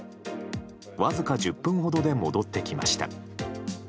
わずか１０分ほどで戻ってきました。